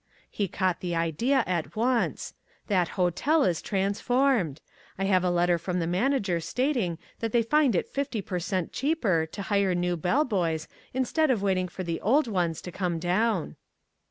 He caught the idea at once. That hotel is transformed. I have a letter from the manager stating that they find it fifty per cent. cheaper to hire new bell boys instead of waiting for the old ones to come down."